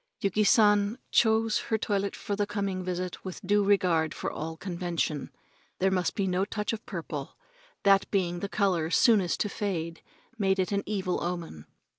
Yuki San chose her toilet for the coming visit with due regard for all convention. There must be no touch of purple that being the color soonest to fade made it an evil omen.